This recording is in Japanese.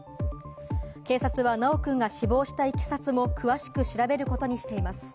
警察は修くんが死亡したいきさつを詳しく調べることにしています。